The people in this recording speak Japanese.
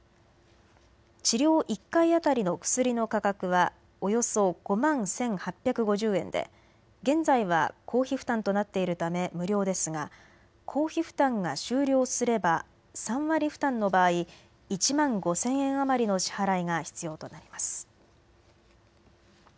治療１回当たりの薬の価格はおよそ５万１８５０円で現在は公費負担となっているため無料ですが公費負担が終了すれば３割負担の場合、１万５０００円余りの支払いが必要となります。